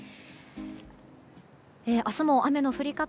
明日も雨の降り方